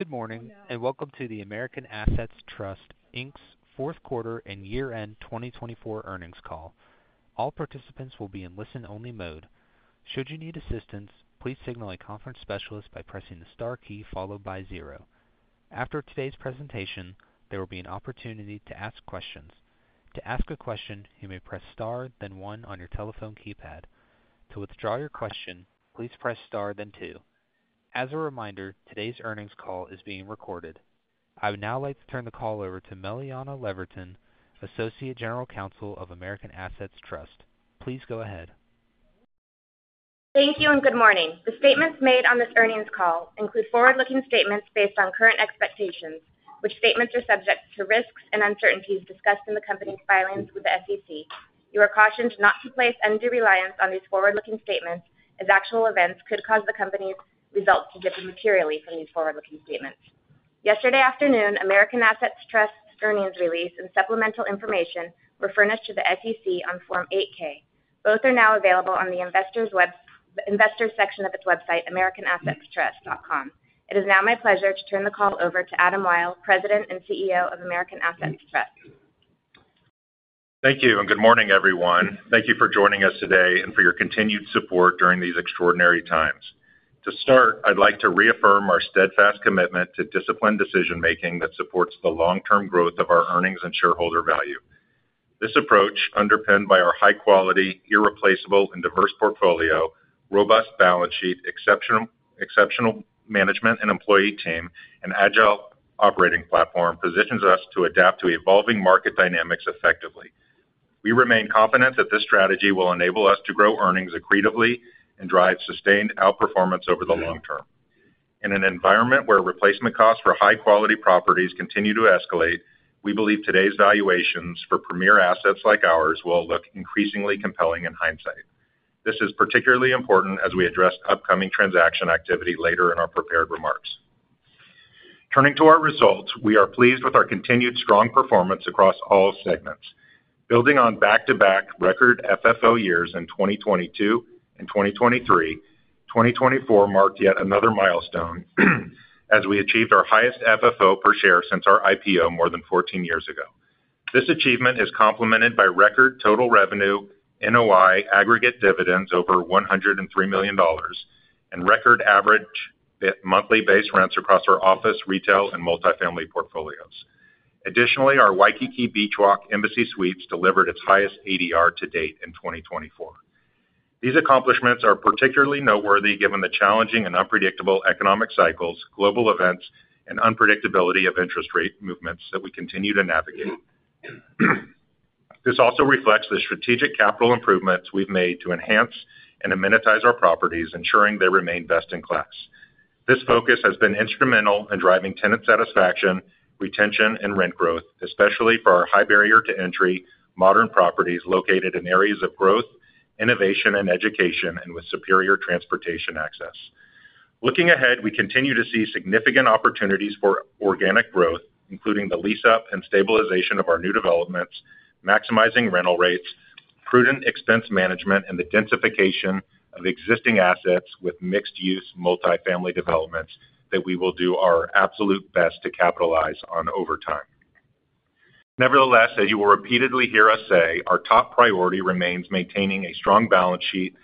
Good morning and welcome to the American Assets Trust, Inc.'s fourth quarter and year-end 2024 earnings call. All participants will be in listen-only mode. Should you need assistance, please signal a conference specialist by pressing the star key followed by zero. After today's presentation, there will be an opportunity to ask questions. To ask a question, you may press star, then one on your telephone keypad. To withdraw your question, please press star, then two. As a reminder, today's earnings call is being recorded. I would now like to turn the call over to Meliana Leverton, Associate General Counsel of American Assets Trust. Please go ahead. Thank you and good morning. The statements made on this earnings call include forward-looking statements based on current expectations, which statements are subject to risks and uncertainties discussed in the company's filings with the SEC. You are cautioned not to place undue reliance on these forward-looking statements as actual events could cause the company's results to differ materially from these forward-looking statements. Yesterday afternoon, American Assets Trust's earnings release and supplemental information were furnished to the SEC on Form 8-K. Both are now available on the investors' section of its website, americanassetstrust.com. It is now my pleasure to turn the call over to Adam Wyll, President and CEO of American Assets Trust. Thank you and good morning, everyone. Thank you for joining us today and for your continued support during these extraordinary times. To start, I'd like to reaffirm our steadfast commitment to disciplined decision-making that supports the long-term growth of our earnings and shareholder value. This approach, underpinned by our high-quality, irreplaceable, and diverse portfolio, robust balance sheet, exceptional management and employee team, and agile operating platform, positions us to adapt to evolving market dynamics effectively. We remain confident that this strategy will enable us to grow earnings accretively and drive sustained outperformance over the long term. In an environment where replacement costs for high-quality properties continue to escalate, we believe today's valuations for premier assets like ours will look increasingly compelling in hindsight. This is particularly important as we address upcoming transaction activity later in our prepared remarks. Turning to our results, we are pleased with our continued strong performance across all segments. Building on back-to-back record FFO years in 2022 and 2023, 2024 marked yet another milestone as we achieved our highest FFO per share since our IPO more than 14 years ago. This achievement is complemented by record total revenue, NOI, aggregate dividends over $103 million, and record average monthly base rents across our office, retail, and multifamily portfolios. Additionally, our Waikiki Beach Walk Embassy Suites delivered its highest ADR to date in 2024. These accomplishments are particularly noteworthy given the challenging and unpredictable economic cycles, global events, and unpredictability of interest rate movements that we continue to navigate. This also reflects the strategic capital improvements we've made to enhance and amenitize our properties, ensuring they remain best in class. This focus has been instrumental in driving tenant satisfaction, retention, and rent growth, especially for our high barrier to entry, modern properties located in areas of growth, innovation, and education, and with superior transportation access. Looking ahead, we continue to see significant opportunities for organic growth, including the lease-up and stabilization of our new developments, maximizing rental rates, prudent expense management, and the densification of existing assets with mixed-use multifamily developments that we will do our absolute best to capitalize on over time. Nevertheless, as you will repeatedly hear us say, our top priority remains maintaining a strong balance sheet,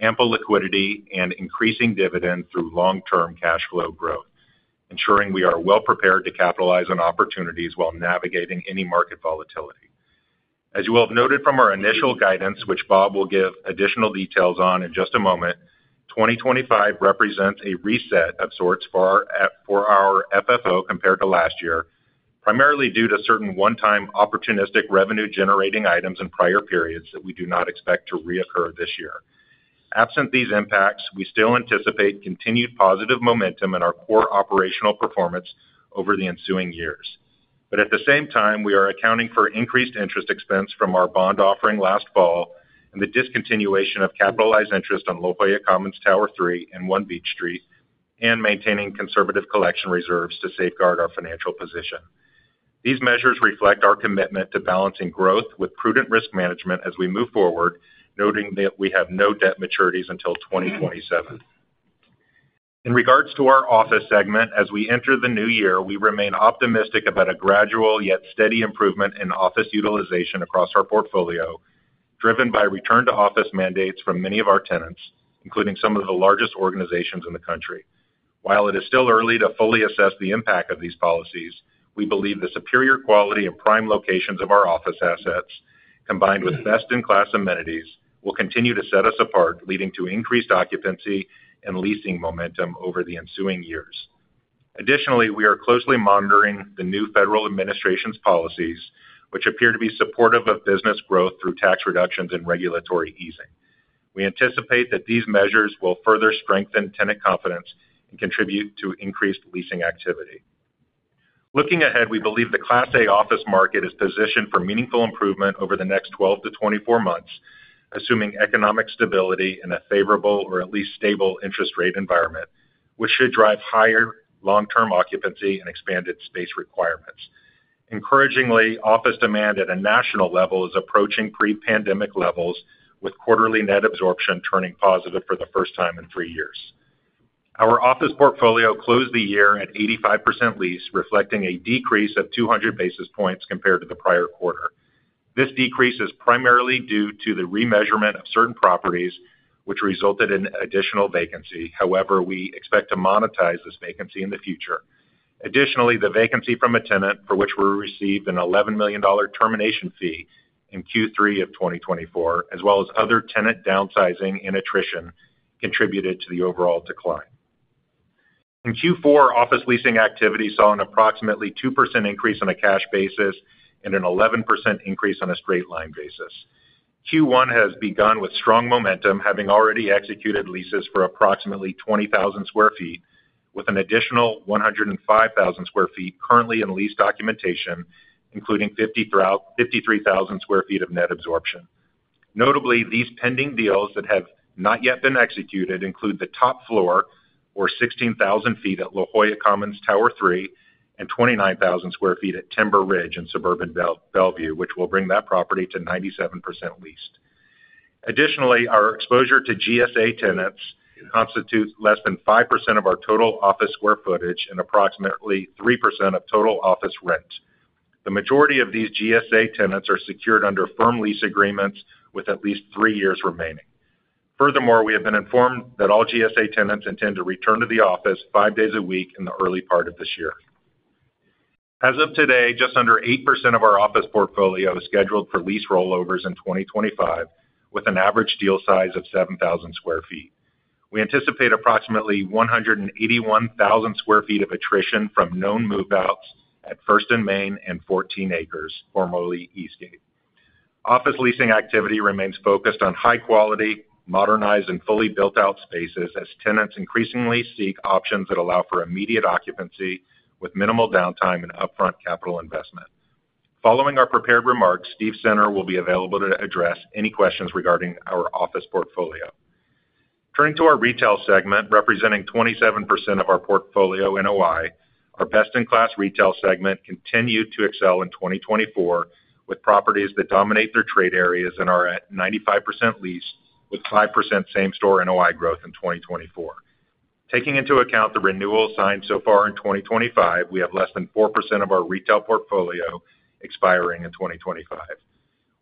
ample liquidity, and increasing dividends through long-term cash flow growth, ensuring we are well prepared to capitalize on opportunities while navigating any market volatility. As you will have noted from our initial guidance, which Bob will give additional details on in just a moment, 2025 represents a reset of sorts for our FFO compared to last year, primarily due to certain one-time opportunistic revenue-generating items in prior periods that we do not expect to reoccur this year. Absent these impacts, we still anticipate continued positive momentum in our core operational performance over the ensuing years, but at the same time, we are accounting for increased interest expense from our bond offering last fall and the discontinuation of capitalized interest on La Jolla Commons Tower 3 and One Beach Street, and maintaining conservative collection reserves to safeguard our financial position. These measures reflect our commitment to balancing growth with prudent risk management as we move forward, noting that we have no debt maturities until 2027. In regards to our office segment, as we enter the new year, we remain optimistic about a gradual yet steady improvement in office utilization across our portfolio, driven by return-to-office mandates from many of our tenants, including some of the largest organizations in the country. While it is still early to fully assess the impact of these policies, we believe the superior quality and prime locations of our office assets, combined with best-in-class amenities, will continue to set us apart, leading to increased occupancy and leasing momentum over the ensuing years. Additionally, we are closely monitoring the new federal administration's policies, which appear to be supportive of business growth through tax reductions and regulatory easing. We anticipate that these measures will further strengthen tenant confidence and contribute to increased leasing activity. Looking ahead, we believe the Class A office market is positioned for meaningful improvement over the next 12 to 24 months, assuming economic stability in a favorable or at least stable interest rate environment, which should drive higher long-term occupancy and expanded space requirements. Encouragingly, office demand at a national level is approaching pre-pandemic levels, with quarterly net absorption turning positive for the first time in three years. Our office portfolio closed the year at 85% leased, reflecting a decrease of 200 basis points compared to the prior quarter. This decrease is primarily due to the remeasurement of certain properties, which resulted in additional vacancy. However, we expect to monetize this vacancy in the future. Additionally, the vacancy from a tenant for which we received an $11 million termination fee in Q3 of 2024, as well as other tenant downsizing and attrition, contributed to the overall decline. In Q4, office leasing activity saw an approximately 2% increase on a cash basis and an 11% increase on a straight-line basis. Q1 has begun with strong momentum, having already executed leases for approximately 20,000 sq ft, with an additional 105,000 sq ft currently in lease documentation, including 53,000 sq ft of net absorption. Notably, these pending deals that have not yet been executed include the top floor, or 16,000 sq ft, at La Jolla Commons Tower 3 and 29,000 sq ft at Timber Ridge in suburban Bellevue, which will bring that property to 97% leased. Additionally, our exposure to GSA tenants constitutes less than 5% of our total office square footage and approximately 3% of total office rent. The majority of these GSA tenants are secured under firm lease agreements with at least three years remaining. Furthermore, we have been informed that all GSA tenants intend to return to the office five days a week in the early part of this year. As of today, just under 8% of our office portfolio is scheduled for lease rollovers in 2025, with an average deal size of 7,000 sq ft. We anticipate approximately 181,000 sq ft of attrition from known move-outs at 1st & Main and 14 Acres, formerly Eastgate. Office leasing activity remains focused on high-quality, modernized, and fully built-out spaces as tenants increasingly seek options that allow for immediate occupancy with minimal downtime and upfront capital investment. Following our prepared remarks, Steve Center will be available to address any questions regarding our office portfolio. Turning to our retail segment, representing 27% of our portfolio NOI, our best-in-class retail segment continued to excel in 2024 with properties that dominate their trade areas and are at 95% leased, with 5% same-store NOI growth in 2024. Taking into account the renewal signed so far in 2025, we have less than 4% of our retail portfolio expiring in 2025.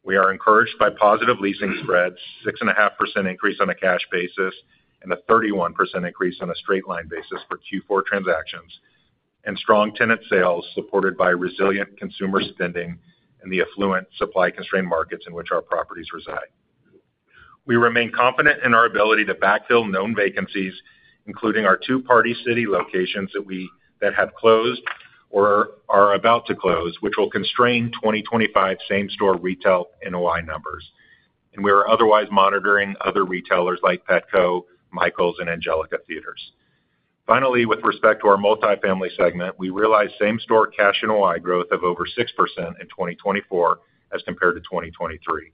We are encouraged by positive leasing spreads, 6.5% increase on a cash basis and a 31% increase on a straight-line basis for Q4 transactions, and strong tenant sales supported by resilient consumer spending and the affluent supply-constrained markets in which our properties reside. We remain confident in our ability to backfill known vacancies, including our two Party City locations that have closed or are about to close, which will constrain 2025 same-store retail NOI numbers, and we are otherwise monitoring other retailers like Petco, Michaels, and Angelika Theaters. Finally, with respect to our multifamily segment, we realized same-store cash NOI growth of over 6% in 2024 as compared to 2023.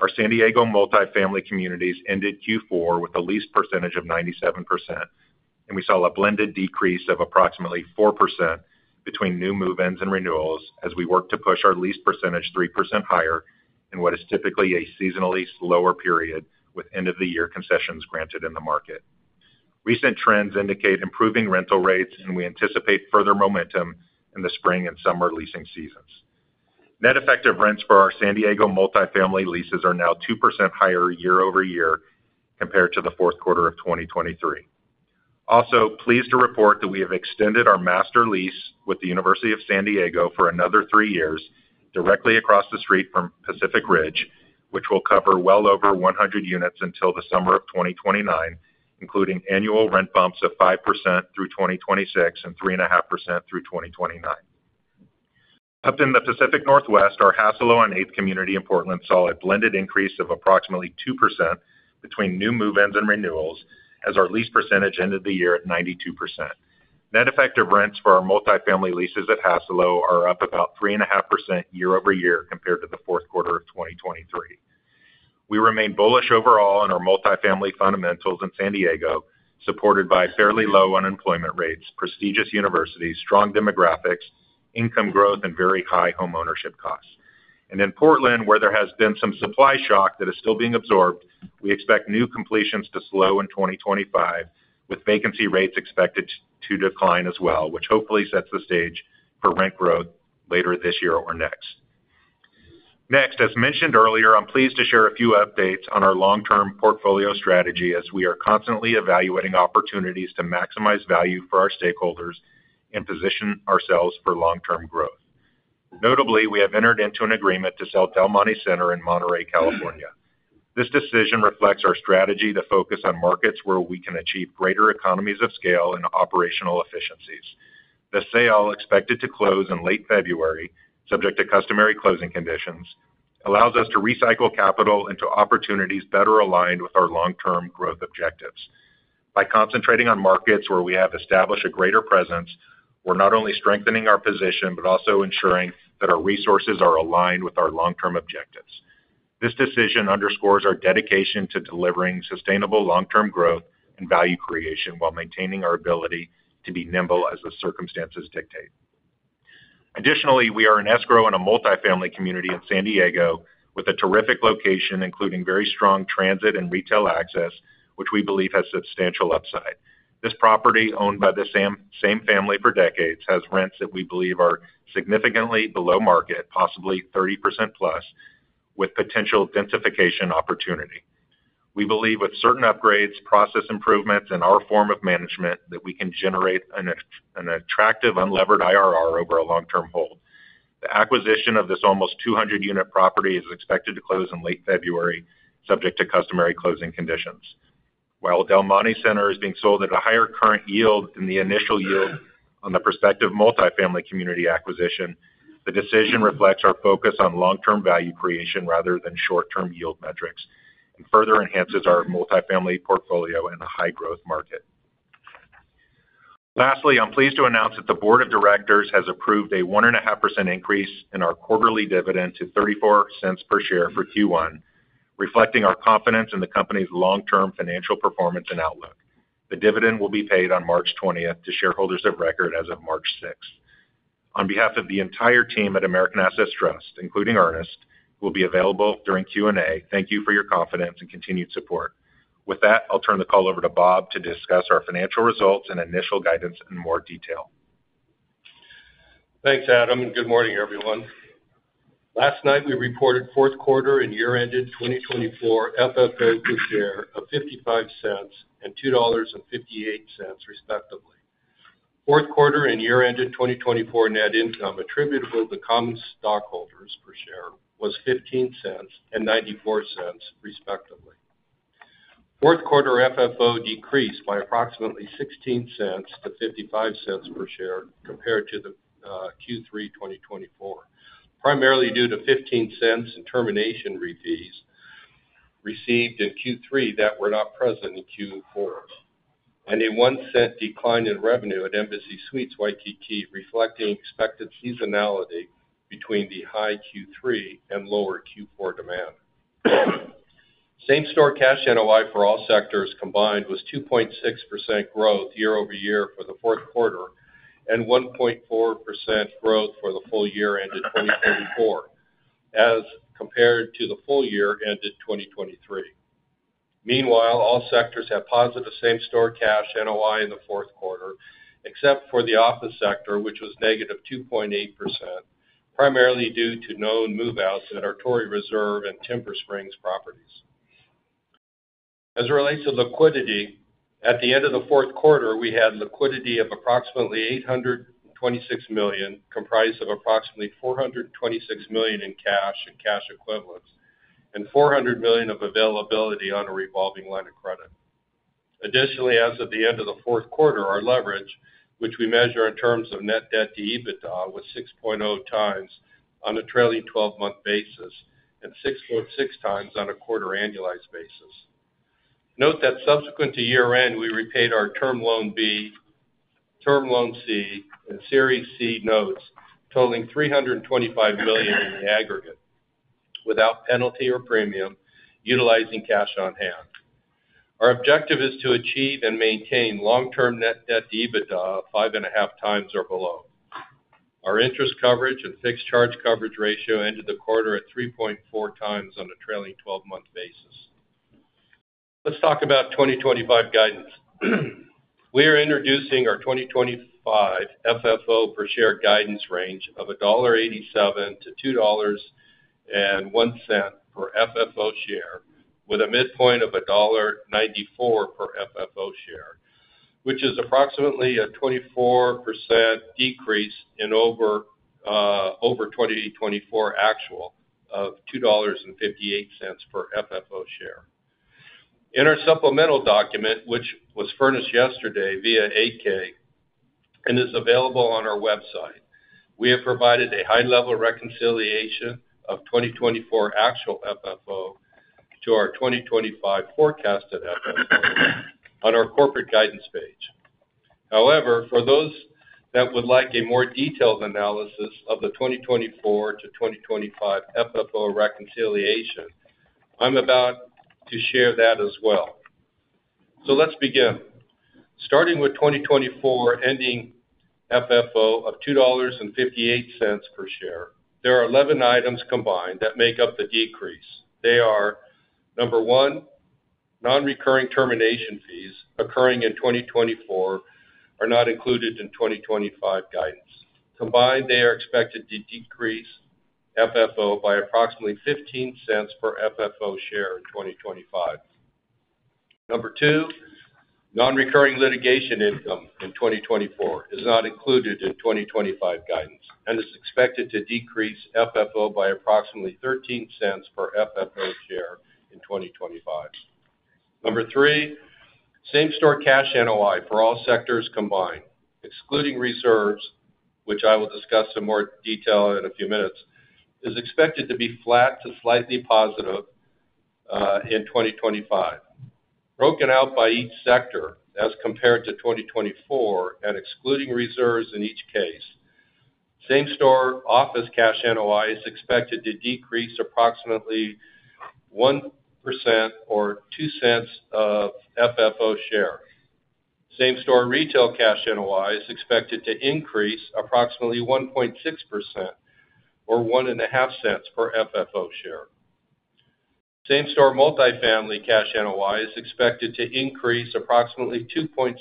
Our San Diego multifamily communities ended Q4 with a lease percentage of 97%, and we saw a blended decrease of approximately 4% between new move-ins and renewals as we worked to push our lease percentage 3% higher in what is typically a seasonally slower period with end-of-the-year concessions granted in the market. Recent trends indicate improving rental rates, and we anticipate further momentum in the spring and summer leasing seasons. Net effective rents for our San Diego multifamily leases are now 2% higher year-over-year compared to the fourth quarter of 2023. Also, pleased to report that we have extended our master lease with the University of San Diego for another three years directly across the street from Pacific Ridge, which will cover well over 100 units until the summer of 2029, including annual rent bumps of 5% through 2026 and 3.5% through 2029. Up in the Pacific Northwest, our Hassalo on Eighth Community in Portland saw a blended increase of approximately 2% between new move-ins and renewals as our lease percentage ended the year at 92%. Net effective rents for our multifamily leases at Hassalo on Eighth are up about 3.5% year-over-year compared to the fourth quarter of 2023. We remain bullish overall in our multifamily fundamentals in San Diego, supported by fairly low unemployment rates, prestigious universities, strong demographics, income growth, and very high homeownership costs. And in Portland, where there has been some supply shock that is still being absorbed, we expect new completions to slow in 2025, with vacancy rates expected to decline as well, which hopefully sets the stage for rent growth later this year or next. Next, as mentioned earlier, I'm pleased to share a few updates on our long-term portfolio strategy as we are constantly evaluating opportunities to maximize value for our stakeholders and position ourselves for long-term growth. Notably, we have entered into an agreement to sell Del Monte Center in Monterey, California. This decision reflects our strategy to focus on markets where we can achieve greater economies of scale and operational efficiencies. The sale, expected to close in late February, subject to customary closing conditions, allows us to recycle capital into opportunities better aligned with our long-term growth objectives. By concentrating on markets where we have established a greater presence, we're not only strengthening our position but also ensuring that our resources are aligned with our long-term objectives. This decision underscores our dedication to delivering sustainable long-term growth and value creation while maintaining our ability to be nimble as the circumstances dictate. Additionally, we are in escrow in a multifamily community in San Diego with a terrific location, including very strong transit and retail access, which we believe has substantial upside. This property, owned by the same family for decades, has rents that we believe are significantly below market, possibly 30% plus, with potential densification opportunity. We believe, with certain upgrades, process improvements, and our firm's management, that we can generate an attractive unlevered IRR over a long-term hold. The acquisition of this almost 200-unit property is expected to close in late February, subject to customary closing conditions. While Del Monte Center is being sold at a higher current yield than the initial yield on the prospective multifamily community acquisition, the decision reflects our focus on long-term value creation rather than short-term yield metrics and further enhances our multifamily portfolio in a high-growth market. Lastly, I'm pleased to announce that the Board of Directors has approved a 1.5% increase in our quarterly dividend to $0.34 per share for Q1, reflecting our confidence in the company's long-term financial performance and outlook. The dividend will be paid on March 20th to shareholders of record as of March 6th. On behalf of the entire team at American Assets Trust, including Ernest, who will be available during Q&A, thank you for your confidence and continued support. With that, I'll turn the call over to Bob to discuss our financial results and initial guidance in more detail. Thanks, Adam. Good morning, everyone. Last night, we reported fourth quarter and year-ended 2024 FFO per share of $0.55 and $2.58, respectively. Fourth quarter and year-ended 2024 net income attributable to common stockholders per share was $0.15 and $0.94, respectively. Fourth quarter FFO decreased by approximately $0.16-$0.55 per share compared to Q3 2024, primarily due to $0.15 in termination fees received in Q3 that were not present in Q4, and a $0.01 decline in revenue at Embassy Suites Waikiki, reflecting expected seasonality between the high Q3 and lower Q4 demand. Same-store cash NOI for all sectors combined was 2.6% growth year-over-year for the fourth quarter and 1.4% growth for the full year-ended 2024, as compared to the full year-ended 2023. Meanwhile, all sectors had positive same-store cash NOI in the fourth quarter, except for the office sector, which was negative 2.8%, primarily due to known move-outs at Torrey Reserve and Timber Springs properties. As it relates to liquidity, at the end of the fourth quarter, we had liquidity of approximately $826 million, comprised of approximately $426 million in cash and cash equivalents, and $400 million of availability on a revolving line of credit. Additionally, as of the end of the fourth quarter, our leverage, which we measure in terms of net debt to EBITDA, was 6.0 times on a trailing 12-month basis and 6.6 times on a quarter-annualized basis. Note that subsequent to year-end, we repaid our Term Loan B, Term Loan C, and Series C notes, totaling $325 million in the aggregate, without penalty or premium, utilizing cash on hand. Our objective is to achieve and maintain long-term net debt to EBITDA of 5.5 times or below. Our interest coverage and fixed charge coverage ratio ended the quarter at 3.4 times on a trailing 12-month basis. Let's talk about 2025 guidance. We are introducing our 2025 FFO per share guidance range of $1.87-$2.01 per FFO share, with a midpoint of $1.94 per FFO share, which is approximately a 24% decrease in over 2024 actual of $2.58 per FFO share. In our supplemental document, which was furnished yesterday via 8-K and is available on our website, we have provided a high-level reconciliation of 2024 actual FFO to our 2025 forecasted FFO on our corporate guidance page. However, for those that would like a more detailed analysis of the 2024 to 2025 FFO reconciliation, I'm about to share that as well. So let's begin. Starting with 2024 ending FFO of $2.58 per share, there are 11 items combined that make up the decrease. They are, number one, non-recurring termination fees occurring in 2024 are not included in 2025 guidance. Combined, they are expected to decrease FFO by approximately $0.15 per FFO share in 2025. Number two, non-recurring litigation income in 2024 is not included in 2025 guidance and is expected to decrease FFO by approximately $0.13 per FFO share in 2025. Number three, same-store cash NOI for all sectors combined, excluding reserves, which I will discuss in more detail in a few minutes, is expected to be flat to slightly positive in 2025. Broken out by each sector as compared to 2024 and excluding reserves in each case, same-store office cash NOI is expected to decrease approximately 1% or $0.02 per FFO share. Same-store retail cash NOI is expected to increase approximately 1.6% or $0.015 per FFO share. Same-store multifamily cash NOI is expected to increase approximately 2.7%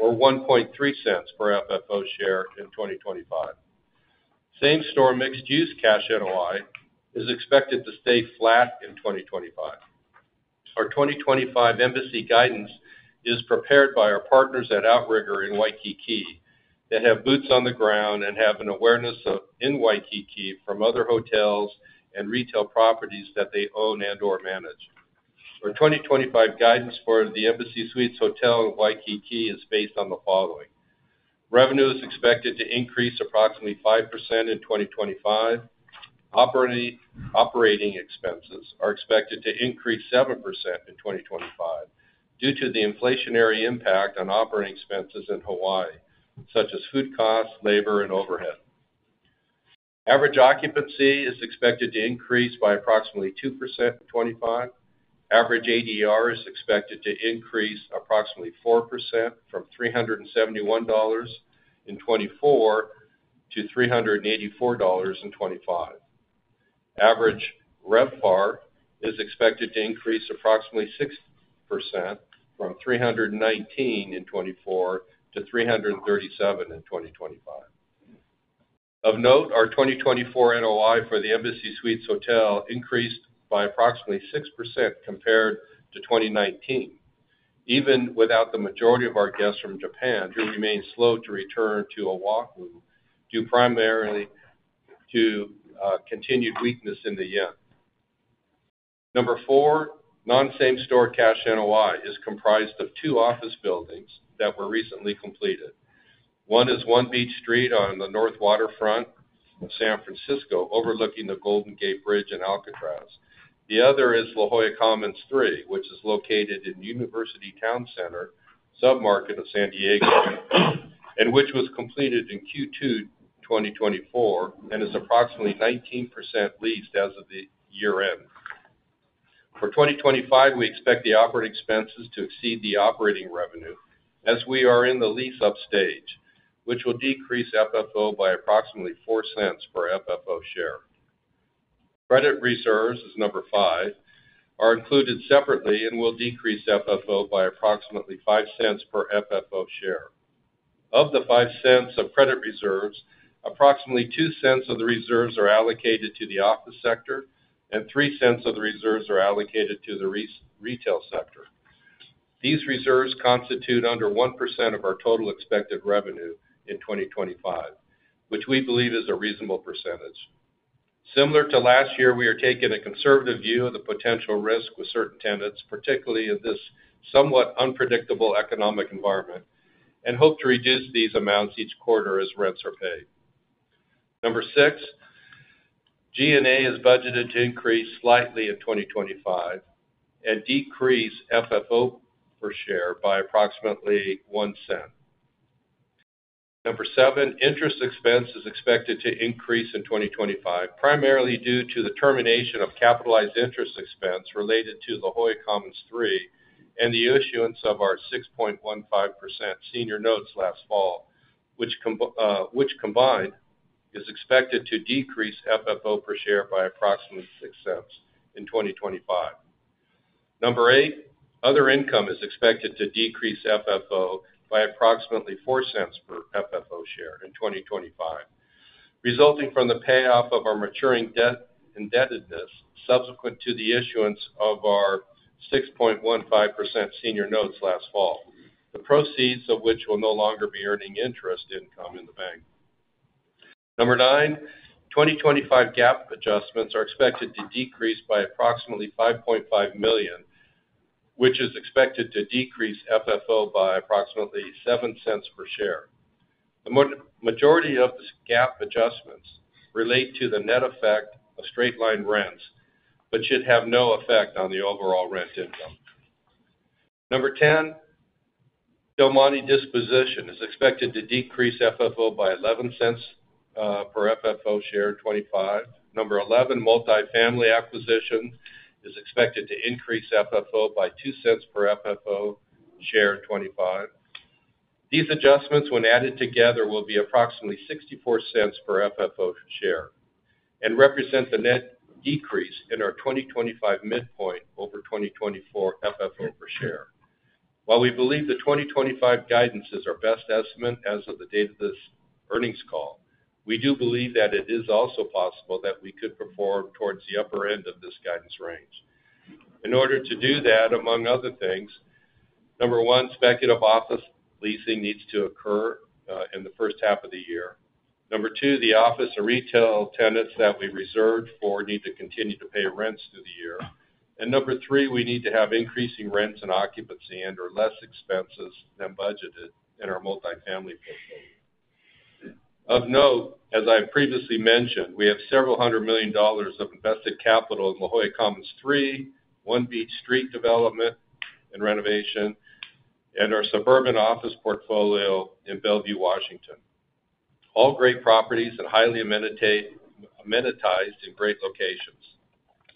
or $0.013 per FFO share in 2025. Same-store mixed-use cash NOI is expected to stay flat in 2025. Our 2025 Embassy guidance is prepared by our partners at Outrigger in Waikiki that have boots on the ground and have an awareness in Waikiki from other hotels and retail properties that they own and/or manage. Our 2025 guidance for the Embassy Suites Hotel in Waikiki is based on the following. Revenue is expected to increase approximately 5% in 2025. Operating expenses are expected to increase 7% in 2025 due to the inflationary impact on operating expenses in Hawaii, such as food costs, labor, and overhead. Average occupancy is expected to increase by approximately 2% in 2025. Average ADR is expected to increase approximately 4% from $371 in 2024 to $384 in 2025. Average RevPAR is expected to increase approximately 6% from $319 in 2024 to $337 in 2025. Of note, our 2024 NOI for the Embassy Suites Hotel increased by approximately 6% compared to 2019. Even without the majority of our guests from Japan, who remain slow to return to Oahu due primarily to continued weakness in the yen. Number four, non-same-store cash NOI is comprised of two office buildings that were recently completed. One is One Beach Street on the north waterfront of San Francisco, overlooking the Golden Gate Bridge and Alcatraz. The other is La Jolla Commons 3, which is located in University Town Center, submarket of San Diego, and which was completed in Q2 2024 and is approximately 19% leased as of the year-end. For 2025, we expect the operating expenses to exceed the operating revenue as we are in the lease-up stage, which will decrease FFO by approximately $0.04 per FFO share. Credit reserves, as number five, are included separately and will decrease FFO by approximately $0.05 per FFO share. Of the $0.05 of credit reserves, approximately $0.02 of the reserves are allocated to the office sector, and $0.03 of the reserves are allocated to the retail sector. These reserves constitute under 1% of our total expected revenue in 2025, which we believe is a reasonable percentage. Similar to last year, we are taking a conservative view of the potential risk with certain tenants, particularly in this somewhat unpredictable economic environment, and hope to reduce these amounts each quarter as rents are paid. Number six, G&A is budgeted to increase slightly in 2025 and decrease FFO per share by approximately $0.01. Number seven, interest expense is expected to increase in 2025, primarily due to the termination of capitalized interest expense related to La Jolla Commons 3 and the issuance of our 6.15% senior notes last fall, which combined is expected to decrease FFO per share by approximately $0.06 in 2025. Number eight, other income is expected to decrease FFO by approximately $0.04 per FFO share in 2025, resulting from the payoff of our maturing debt indebtedness subsequent to the issuance of our 6.15% senior notes last fall, the proceeds of which will no longer be earning interest income in the bank. Number nine, 2025 GAAP adjustments are expected to decrease by approximately 5.5 million, which is expected to decrease FFO by approximately $0.07 per share. The majority of the gap adjustments relate to the net effect of straight-line rents, but should have no effect on the overall rent income. Number ten, Del Monte disposition is expected to decrease FFO by $0.11 per share in 2025. Number eleven, multifamily acquisition is expected to increase FFO by $0.02 per share in 2025. These adjustments, when added together, will be approximately $0.64 per share and represent the net decrease in our 2025 midpoint over 2024 FFO per share. While we believe the 2025 guidance is our best estimate as of the date of this earnings call, we do believe that it is also possible that we could perform towards the upper end of this guidance range. In order to do that, among other things, number one, speculative office leasing needs to occur in the first half of the year. Number two, the office and retail tenants that we reserved for need to continue to pay rents through the year. And number three, we need to have increasing rents and occupancy and/or less expenses than budgeted in our multifamily portfolio. Of note, as I've previously mentioned, we have several hundred million dollars of invested capital in La Jolla Commons 3, One Beach Street development and renovation, and our suburban office portfolio in Bellevue, Washington. All great properties and highly amenitized in great locations.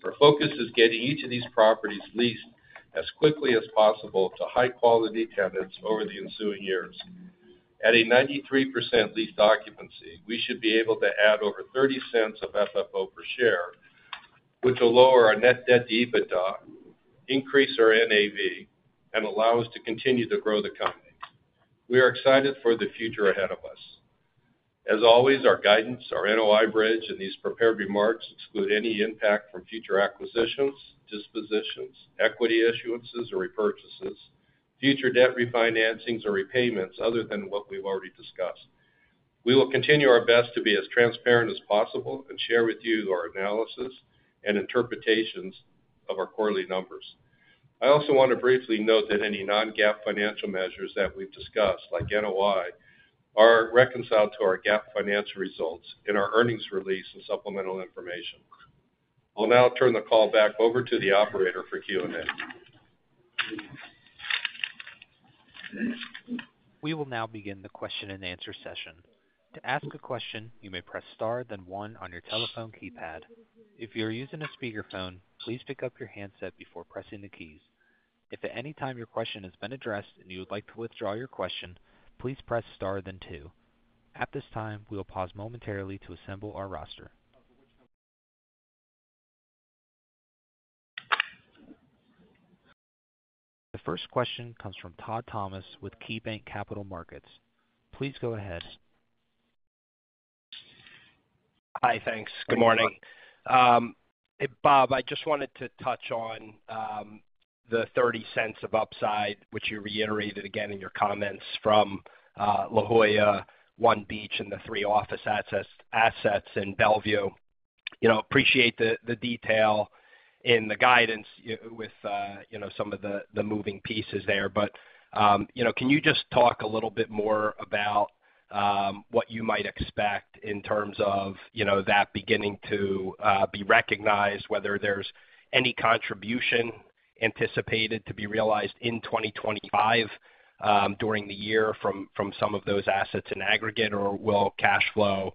Our focus is getting each of these properties leased as quickly as possible to high-quality tenants over the ensuing years. At a 93% leased occupancy, we should be able to add over $0.30 of FFO per share, which will lower our net debt to EBITDA, increase our NAV, and allow us to continue to grow the company. We are excited for the future ahead of us. As always, our guidance, our NOI bridge, and these prepared remarks exclude any impact from future acquisitions, dispositions, equity issuances, or repurchases, future debt refinancings, or repayments other than what we've already discussed. We will continue our best to be as transparent as possible and share with you our analysis and interpretations of our quarterly numbers. I also want to briefly note that any non-GAAP financial measures that we've discussed, like NOI, are reconciled to our GAAP financial results in our earnings release and supplemental information. I'll now turn the call back over to the operator for Q&A. We will now begin the question and answer session. To ask a question, you may press star, then one on your telephone keypad. If you're using a speakerphone, please pick up your handset before pressing the keys. If at any time your question has been addressed and you would like to withdraw your question, please press star, then two. At this time, we will pause momentarily to assemble our roster. The first question comes from Todd Thomas with KeyBanc Capital Markets. Please go ahead. Hi, thanks. Good morning. Bob, I just wanted to touch on the $0.30 of upside, which you reiterated again in your comments from La Jolla, One Beach, and the three office assets in Bellevue. Appreciate the detail in the guidance with some of the moving pieces there. But can you just talk a little bit more about what you might expect in terms of that beginning to be recognized, whether there's any contribution anticipated to be realized in 2025 during the year from some of those assets in aggregate, or will cash flow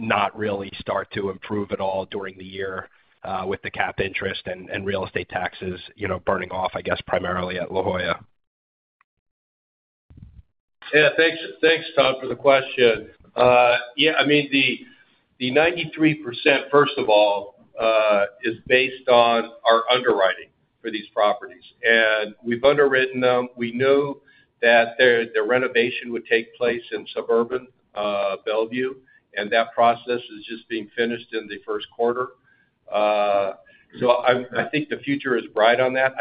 not really start to improve at all during the year with the cap interest and real estate taxes burning off, I guess, primarily at La Jolla? Yeah, thanks, Todd, for the question. Yeah, I mean, the 93%, first of all, is based on our underwriting for these properties. And we've underwritten them. We knew that the renovation would take place in suburban Bellevue, and that process is just being finished in the first quarter. So I think the future is bright on that.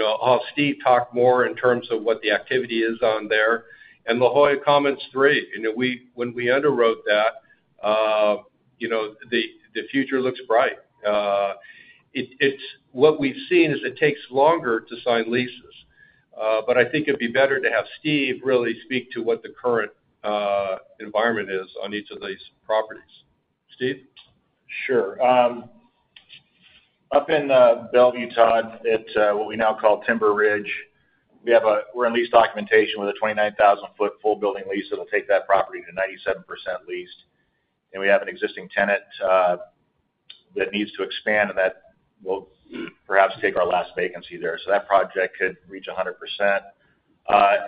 I'll have Steve talk more in terms of what the activity is on there. La Jolla Commons 3, when we underwrote that, the future looks bright. What we've seen is it takes longer to sign leases. But I think it'd be better to have Steve really speak to what the current environment is on each of these properties. Steve? Sure. Up in Bellevue, Todd, at what we now call Timber Ridge, we're in lease documentation with a 29,000 ft full-building lease that'll take that property to 97% leased. And we have an existing tenant that needs to expand, and that will perhaps take our last vacancy there. That project could reach 100%.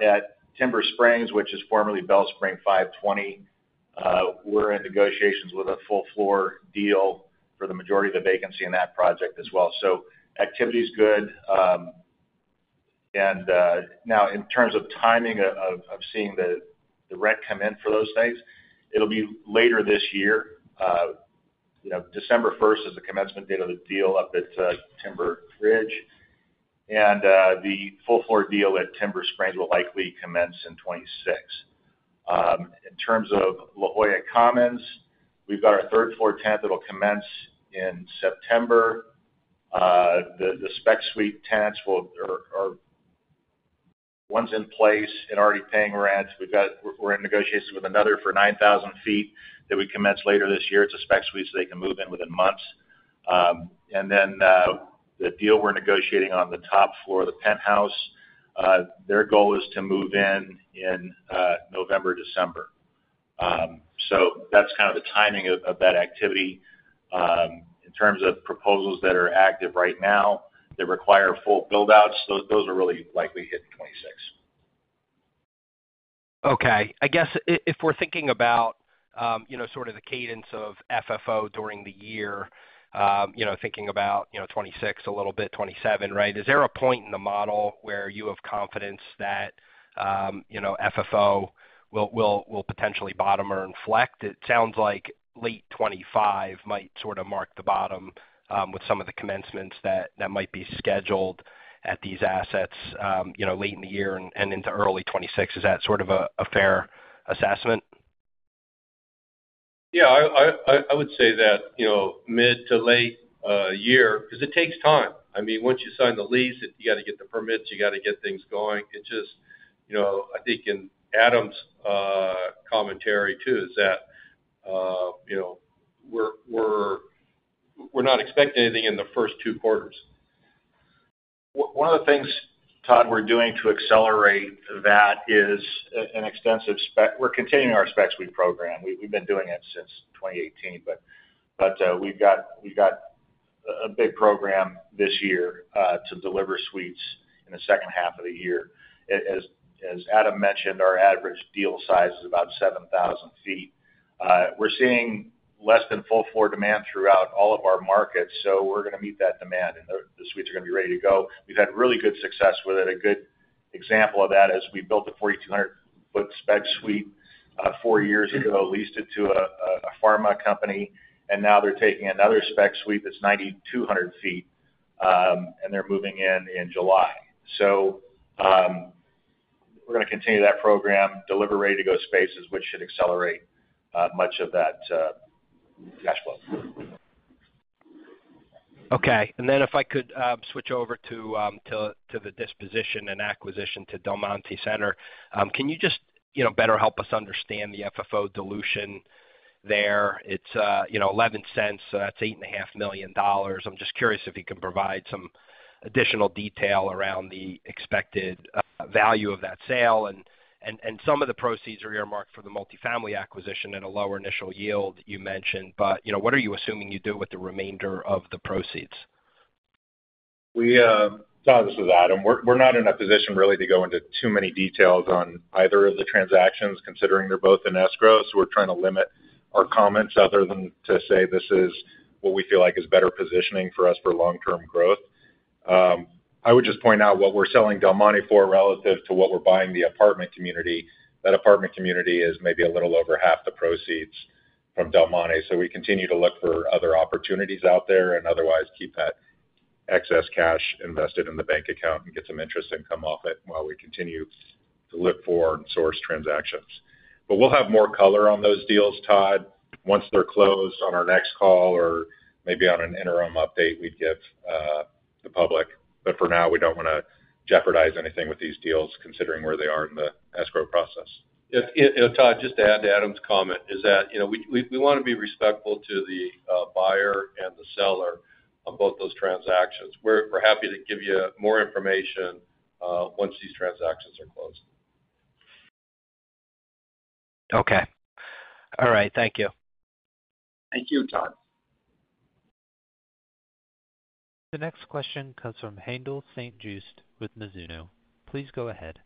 At Timber Springs, which is formerly Bell Spring 520, we're in negotiations with a full-floor deal for the majority of the vacancy in that project as well. Activity is good. Now, in terms of timing of seeing the rent come in for those things, it'll be later this year. December 1st is the commencement date of the deal up at Timber Ridge, and the full-floor deal at Timber Springs will likely commence in 2026. In terms of La Jolla Commons, we've got our third-floor tenant that'll commence in September. The spec suite tenants are ones in place and already paying rent. We're in negotiations with another for 9,000 ft that we commence later this year. It's a spec suite, so they can move in within months, and then the deal we're negotiating on the top floor, the penthouse, their goal is to move in in November, December, so that's kind of the timing of that activity. In terms of proposals that are active right now that require full build-outs, those are really likely hit in 2026. Okay. I guess if we're thinking about sort of the cadence of FFO during the year, thinking about 2026 a little bit, 2027, right, is there a point in the model where you have confidence that FFO will potentially bottom or inflect? It sounds like late 2025 might sort of mark the bottom with some of the commencements that might be scheduled at these assets late in the year and into early 2026. Is that sort of a fair assessment? Yeah, I would say that mid to late year because it takes time. I mean, once you sign the lease, you got to get the permits, you got to get things going. It just, I think, in Adam's commentary too, is that we're not expecting anything in the first two quarters. One of the things, Todd, we're doing to accelerate that is an extensive spec. We're continuing our spec suite program. We've been doing it since 2018, but we've got a big program this year to deliver suites in the second half of the year. As Adam mentioned, our average deal size is about 7,000 ft. We're seeing less than full-floor demand throughout all of our markets, so we're going to meet that demand, and the suites are going to be ready to go. We've had really good success with it. A good example of that is we built a 4,200 ft spec suite four years ago, leased it to a pharma company, and now they're taking another spec suite that's 9,200 ft, and they're moving in in July. So we're going to continue that program, deliver ready-to-go spaces, which should accelerate much of that cash flow. Okay. Then if I could switch over to the disposition and acquisition to Del Monte Center, can you just better help us understand the FFO dilution there? It's $0.11, so that's $8.5 million. I'm just curious if you can provide some additional detail around the expected value of that sale. Some of the proceeds are earmarked for the multifamily acquisition at a lower initial yield you mentioned, but what are you assuming you do with the remainder of the proceeds? Todd, this is Adam. We're not in a position really to go into too many details on either of the transactions, considering they're both in escrow, so we're trying to limit our comments other than to say this is what we feel like is better positioning for us for long-term growth. I would just point out what we're selling Del Monte for relative to what we're buying the apartment community. That apartment community is maybe a little over half the proceeds from Del Monte. So we continue to look for other opportunities out there and otherwise keep that excess cash invested in the bank account and get some interest income off it while we continue to look for and source transactions. But we'll have more color on those deals, Todd, once they're closed on our next call or maybe on an interim update we'd give the public. But for now, we don't want to jeopardize anything with these deals considering where they are in the escrow process. Todd, just to add to Adam's comment, is that we want to be respectful to the buyer and the seller on both those transactions. We're happy to give you more information once these transactions are closed. Okay. All right. Thank you. Thank you, Todd. The next question comes from Haendel St. Juste with Mizuho. Please go ahead.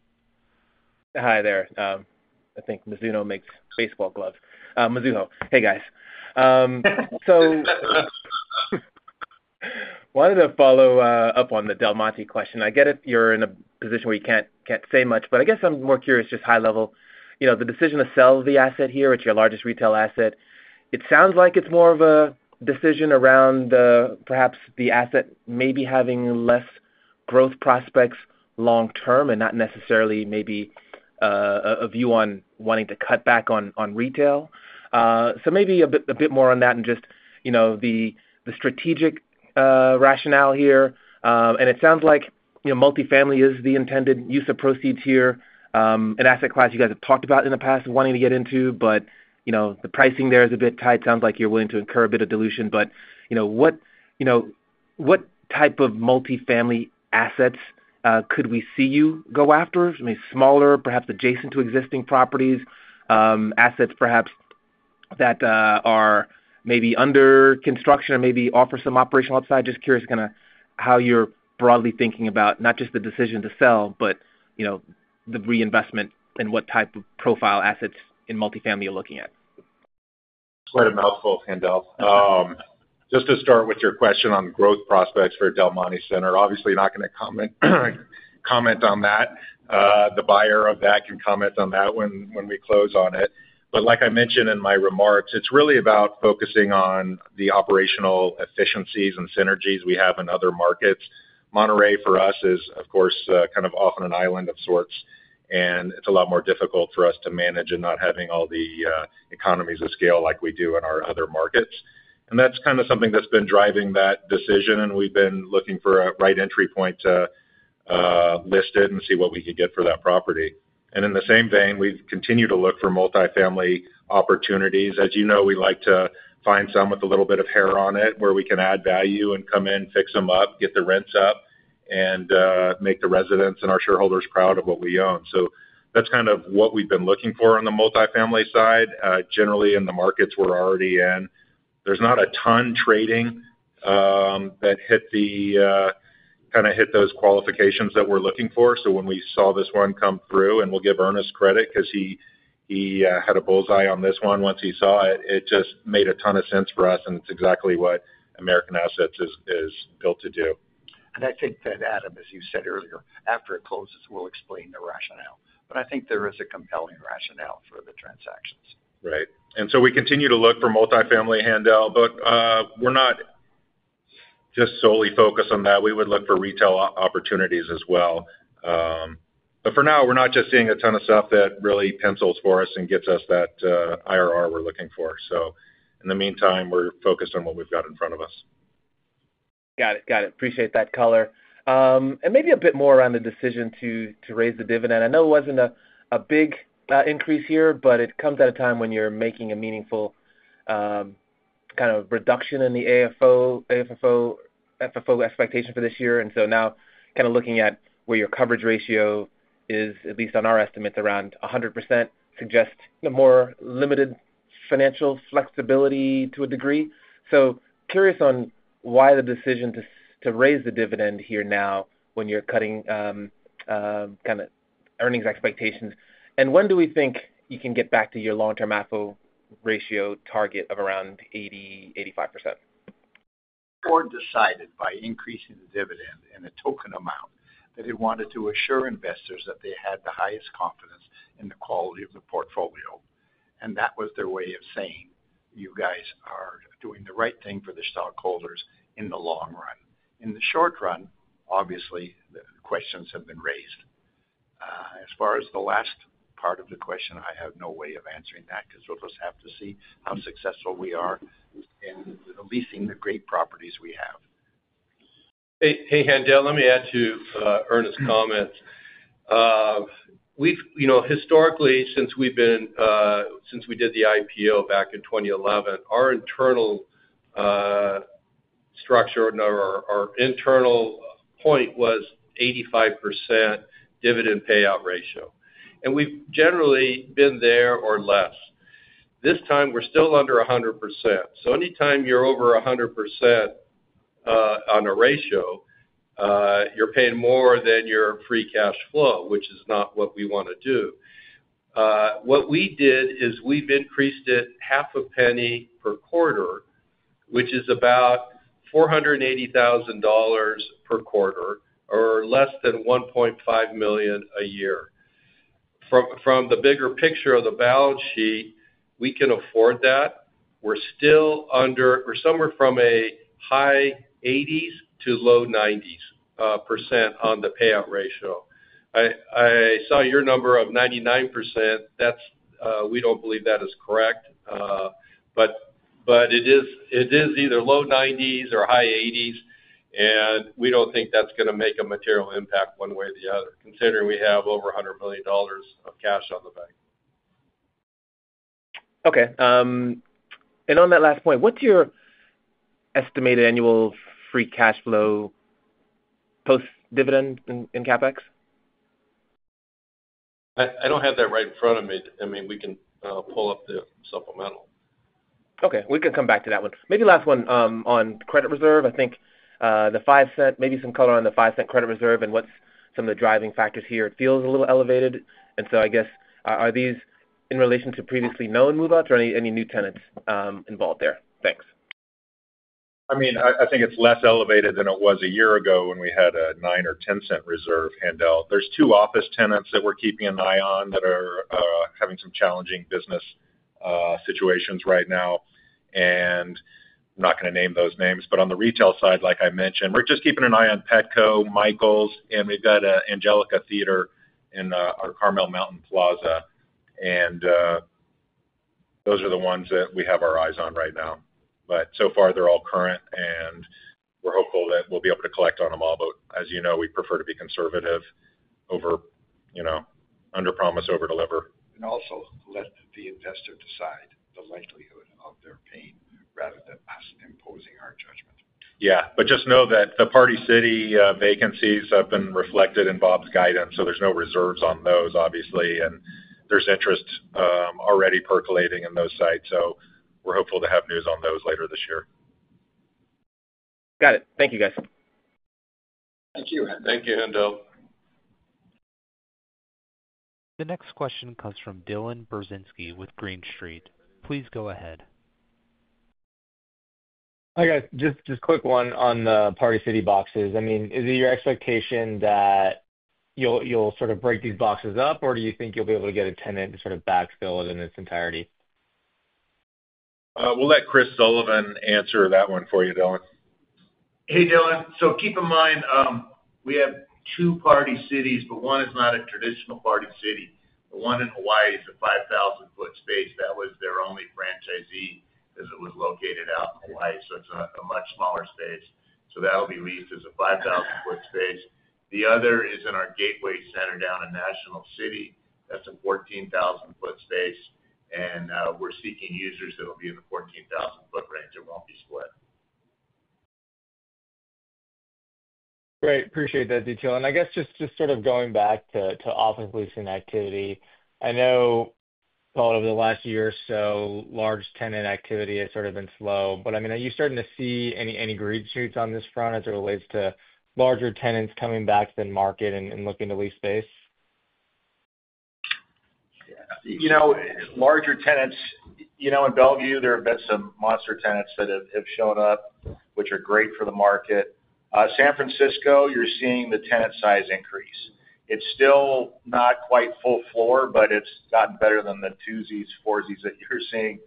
Hi there. I think Mizuho makes baseball gloves. Mizuho. Hey, guys. So wanted to follow up on the Del Monte question. I get it you're in a position where you can't say much, but I guess I'm more curious, just high level, the decision to sell the asset here at your largest retail asset, it sounds like it's more of a decision around perhaps the asset maybe having less growth prospects long term and not necessarily maybe a view on wanting to cut back on retail. So maybe a bit more on that and just the strategic rationale here. And it sounds like multifamily is the intended use of proceeds here, an asset class you guys have talked about in the past wanting to get into, but the pricing there is a bit tight. Sounds like you're willing to incur a bit of dilution. But what type of multifamily assets could we see you go after? I mean, smaller, perhaps adjacent to existing properties, assets perhaps that are maybe under construction or maybe offer some operational upside. Just curious kind of how you're broadly thinking about not just the decision to sell, but the reinvestment and what type of profile assets in multifamily you're looking at? Quite a mouthful, Haendel. Just to start with your question on growth prospects for Del Monte Center, obviously not going to comment on that. The buyer of that can comment on that when we close on it. But like I mentioned in my remarks, it's really about focusing on the operational efficiencies and synergies we have in other markets. Monterey for us is, of course, kind of often an island of sorts, and it's a lot more difficult for us to manage and not having all the economies of scale like we do in our other markets. And that's kind of something that's been driving that decision, and we've been looking for a right entry point to list it and see what we could get for that property. And in the same vein, we've continued to look for multifamily opportunities. As you know, we like to find some with a little bit of hair on it where we can add value and come in, fix them up, get the rents up, and make the residents and our shareholders proud of what we own. So that's kind of what we've been looking for on the multifamily side. Generally, in the markets we're already in, there's not a ton trading that kind of hit those qualifications that we're looking for. So when we saw this one come through, and we'll give Ernest credit because he had a bull's eye on this one once he saw it, it just made a ton of sense for us, and it's exactly what American Assets is built to do. And I think that, Adam, as you said earlier, after it closes, we'll explain the rationale. But I think there is a compelling rationale for the transactions. Right. And so we continue to look for multifamily, Haendel, but we're not just solely focused on that. We would look for retail opportunities as well. But for now, we're not just seeing a ton of stuff that really pencils for us and gets us that IRR we're looking for, so in the meantime, we're focused on what we've got in front of us. Got it. Got it. Appreciate that color, and maybe a bit more around the decision to raise the dividend. I know it wasn't a big increase here, but it comes at a time when you're making a meaningful kind of reduction in the AFFO expectation for this year, and so now kind of looking at where your coverage ratio is, at least on our estimates, around 100% suggests more limited financial flexibility to a degree, so curious on why the decision to raise the dividend here now when you're cutting kind of earnings expectations? When do we think you can get back to your long-term AFFO ratio target of around 80%-85%? Board decided by increasing the dividend in a token amount that he wanted to assure investors that they had the highest confidence in the quality of the portfolio. And that was their way of saying, "You guys are doing the right thing for the stockholders in the long run." In the short run, obviously, the questions have been raised. As far as the last part of the question, I have no way of answering that because we'll just have to see how successful we are in leasing the great properties we have. Hey, Haendel, let me add to Ernest's comment. Historically, since we did the IPO back in 2011, our internal structure or our internal point was 85% dividend payout ratio. And we've generally been there or less. This time, we're still under 100%. So anytime you're over 100% on a ratio, you're paying more than your free cash flow, which is not what we want to do. What we did is we've increased it $0.005 per quarter, which is about $480,000 per quarter or less than $1.5 million a year. From the bigger picture of the balance sheet, we can afford that. We're still under somewhere from a high 80s to low 90s % on the payout ratio. I saw your number of 99%. We don't believe that is correct, but it is either low 90s or high 80s, and we don't think that's going to make a material impact one way or the other, considering we have over $100 million of cash in the bank. Okay. And on that last point, what's your estimated annual free cash flow post-dividend in CapEx? I don't have that right in front of me. I mean, we can pull up the supplemental. Okay. We can come back to that one. Maybe last one on credit reserve. I think the $0.05, maybe some color on the $0.05 credit reserve and what's some of the driving factors here. It feels a little elevated. And so I guess, are these in relation to previously known move-outs or any new tenants involved there? Thanks. I mean, I think it's less elevated than it was a year ago when we had a $0.09 or $0.10 reserve, Haendel. There's two office tenants that we're keeping an eye on that are having some challenging business situations right now. And I'm not going to name those names, but on the retail side, like I mentioned, we're just keeping an eye on Petco, Michaels, and we've got Angelika Theater in our Carmel Mountain Plaza. And those are the ones that we have our eyes on right now. But so far, they're all current, and we're hopeful that we'll be able to collect on them all. But as you know, we prefer to be conservative over underpromise, overdeliver. And also let the investor decide the likelihood of their paying rather than us imposing our judgment. Yeah. But just know that the Party City vacancies have been reflected in Bob's guidance, so there's no reserves on those, obviously. And there's interest already percolating in those sites, so we're hopeful to have news on those later this year. Got it. Thank you, guys. Thank you. Thank you, Haendel. The next question comes from Dylan Burzinski with Green Street. Please go ahead. Hi, guys. Just quick one on the Party City boxes. I mean, is it your expectation that you'll sort of break these boxes up, or do you think you'll be able to get a tenant to sort of backfill it in its entirety? We'll let Chris Sullivan answer that one for you, Dylan. Hey, Dylan. So keep in mind we have two Party Cities, but one is not a traditional Party City. The one in Hawaii is a 5,000 sq ft space. That was their only franchisee because it was located out in Hawaii, so it's a much smaller space. So that'll be leased as a 5,000 sq ft space. The other is in our Gateway Center down in National City. That's a 14,000 sq ft space, and we're seeking users that will be in the 14,000 sq ft range and won't be split. Great. Appreciate that detail. I guess just sort of going back to office leasing activity. I know over the last year or so, large tenant activity has sort of been slow. But I mean, are you starting to see any green shoots on this front as it relates to larger tenants coming back to the market and looking to lease space? Larger tenants, in Bellevue, there have been some monster tenants that have shown up, which are great for the market. San Francisco, you're seeing the tenant size increase. It's still not quite full floor, but it's gotten better than the twosies and foursies that you're seeing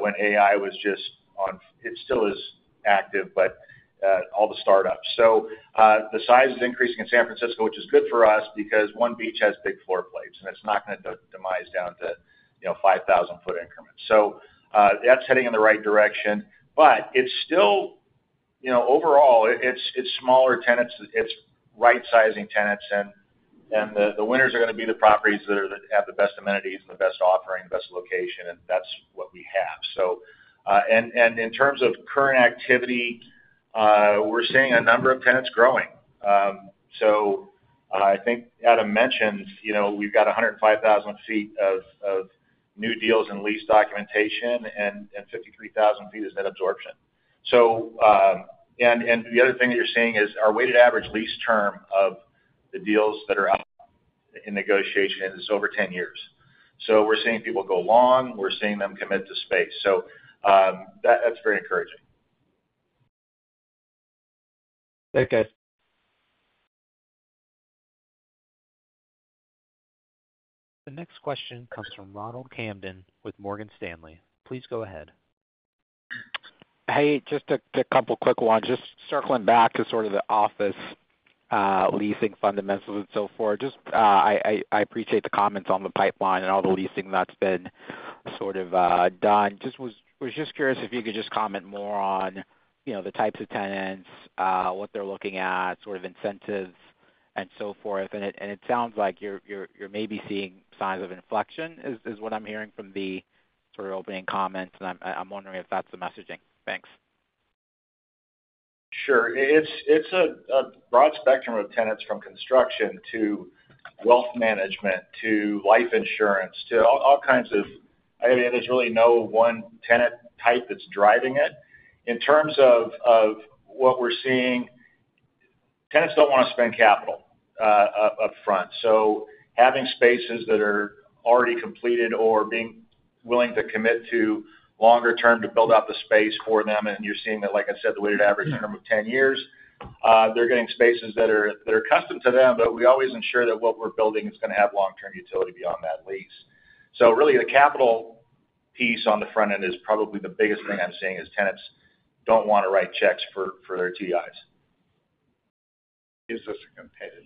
when AI was just on. It still is active, but all the startups. So the size is increasing in San Francisco, which is good for us because One Beach has big floor plates, and it's not going to demise down to 5,000 ft increments. So that's heading in the right direction. But overall, it's smaller tenants. It's right-sizing tenants, and the winners are going to be the properties that have the best amenities and the best offering, the best location, and that's what we have. And in terms of current activity, we're seeing a number of tenants growing. So I think Adam mentioned we've got 105,000 sq ft of new deals and lease documentation, and 53,000 sq ft is net absorption. And the other thing that you're seeing is our weighted average lease term of the deals that are in negotiation is over 10 years. So we're seeing people go long. We're seeing them commit to space. So that's very encouraging. Thank you, guys. The next question comes from Ronald Kamdem with Morgan Stanley. Please go ahead. Hey, just a couple of quick ones. Just circling back to sort of the office leasing fundamentals and so forth. I appreciate the comments on the pipeline and all the leasing that's been sort of done. I was just curious if you could just comment more on the types of tenants, what they're looking at, sort of incentives, and so forth, and it sounds like you're maybe seeing signs of inflection is what I'm hearing from the sort of opening comments, and I'm wondering if that's the messaging. Thanks. Sure. It's a broad spectrum of tenants from construction to wealth management to life insurance to all kinds of, I mean, there's really no one tenant type that's driving it. In terms of what we're seeing, tenants don't want to spend capital upfront. So, having spaces that are already completed or being willing to commit to longer term to build out the space for them, and you're seeing that, like I said, the weighted average term of 10 years, they're getting spaces that are custom to them, but we always ensure that what we're building is going to have long-term utility beyond that lease. So really, the capital piece on the front end is probably the biggest thing I'm seeing is tenants don't want to write checks for their TIs. Is this a competitive,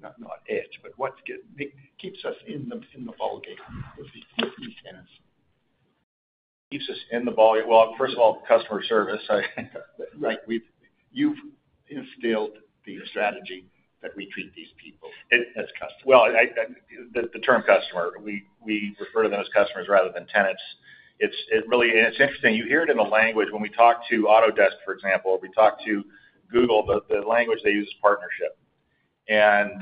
not it, but what keeps us in the ballgame with these tenants? Keeps us in the ballgame? Well, first of all, customer service. You've instilled the strategy that we treat these people as customers. Well, the term customer, we refer to them as customers rather than tenants. It's interesting. You hear it in the language when we talk to Autodesk, for example, or we talk to Google. The language they use is partnership. And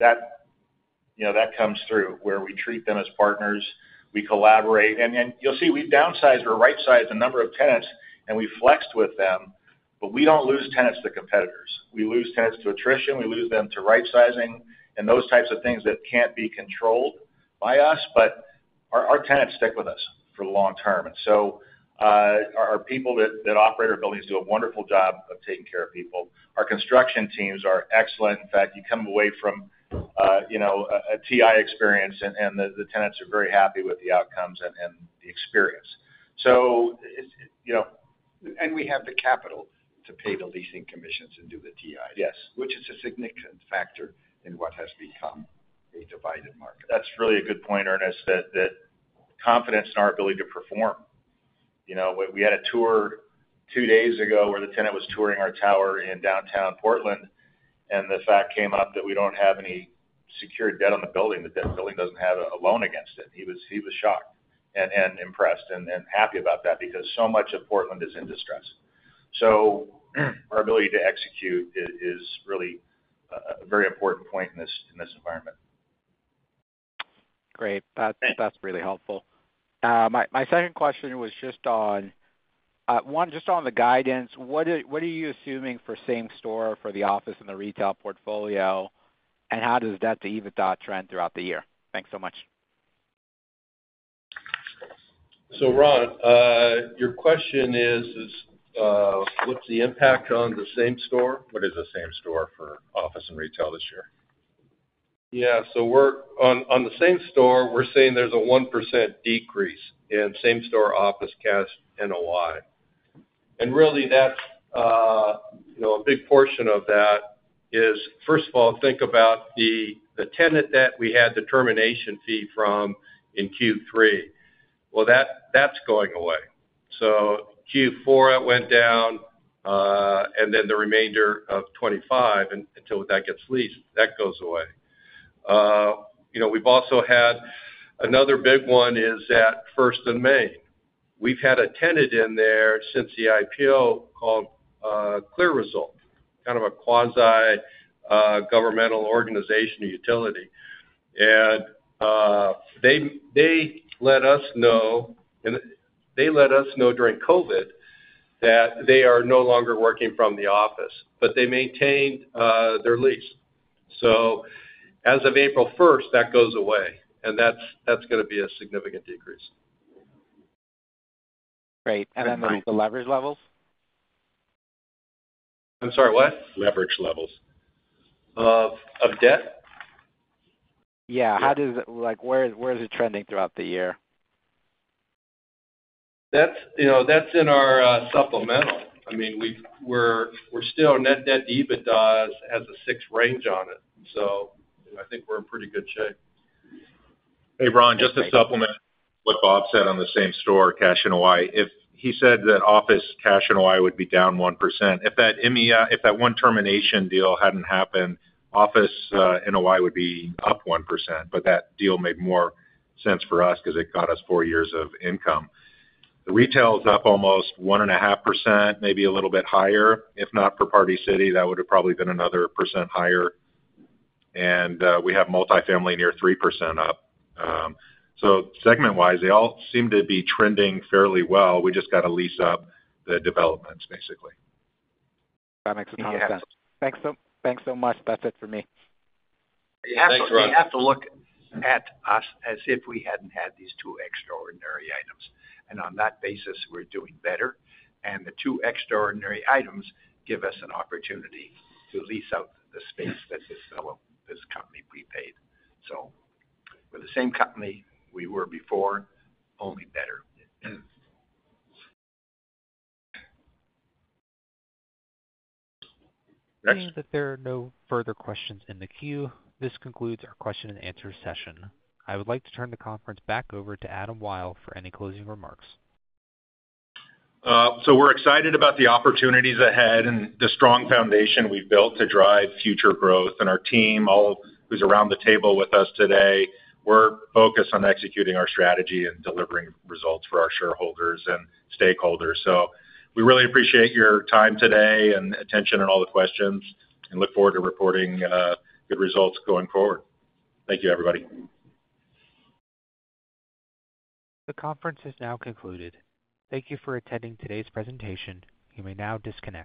that comes through where we treat them as partners. We collaborate. And you'll see we've downsized or right-sized a number of tenants, and we've flexed with them, but we don't lose tenants to competitors. We lose tenants to attrition. We lose them to right-sizing and those types of things that can't be controlled by us. But our tenants stick with us for the long term. And so our people that operate our buildings do a wonderful job of taking care of people. Our construction teams are excellent. In fact, you come away from a TI experience, and the tenants are very happy with the outcomes and the experience. And we have the capital to pay the leasing commissions and do the TIs, which is a significant factor in what has become a divided market. That's really a good point, Ernest, that confidence in our ability to perform. We had a tour two days ago where the tenant was touring our tower in downtown Portland, and the fact came up that we don't have any secured debt on the building, that that building doesn't have a loan against it. He was shocked and impressed and happy about that because so much of Portland is in distress. So our ability to execute is really a very important point in this environment. Great. That's really helpful. My second question was just on the guidance. What are you assuming for Same-Store for the office and the retail portfolio, and how does that deviate that trend throughout the year? Thanks so much. So Ron, your question is, what's the impact on the same-store? What is the same-store for office and retail this year? Yeah. So on the same-store, we're seeing there's a 1% decrease in same-store office cash NOI. And really, a big portion of that is, first of all, think about the tenant that we had the termination fee from in Q3. Well, that's going away. So Q4, it went down, and then the remainder of 2025, until that gets leased, that goes away. We've also had another big one is at 1st & Main. We've had a tenant in there since the IPO called CLEAResult, kind of a quasi-governmental organization utility. And they let us know during COVID that they are no longer working from the office, but they maintained their lease. So as of April 1st, that goes away, and that's going to be a significant decrease. Great. And then the leverage levels? I'm sorry, what? Leverage levels. Of debt? Yeah. Why is it trending throughout the year? That's in our supplemental. I mean, we're still net debt to EBITDA has a 6 range on it, so I think we're in pretty good shape. Hey, Ron, just to supplement what Bob said on the same-store cash NOI, he said that office cash NOI would be down 1%. If that one termination deal hadn't happened, office NOI would be up 1%, but that deal made more sense for us because it got us four years of income. The retail is up almost 1.5%, maybe a little bit higher. If not for Party City, that would have probably been another percent higher. And we have multifamily near 3% up. So segment-wise, they all seem to be trending fairly well. We just got to lease up the developments, basically. That makes a ton of sense. Thanks so much. That's it for me. Thanks, Ron. You have to look at us as if we hadn't had these two extraordinary items. And on that basis, we're doing better. And the two extraordinary items give us an opportunity to lease out the space that this company prepaid. So we're the same company we were before, only better. Next. And with that, there are no further questions in the queue. This concludes our question-and-answer session. I would like to turn the conference back over to Adam Wyll for any closing remarks. So we're excited about the opportunities ahead and the strong foundation we've built to drive future growth. Our team, all who's around the table with us today, we're focused on executing our strategy and delivering results for our shareholders and stakeholders. We really appreciate your time today and attention and all the questions, and look forward to reporting good results going forward. Thank you, everybody. The conference is now concluded. Thank you for attending today's presentation. You may now disconnect.